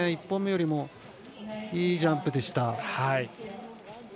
１本目よりもいいジャンプでした。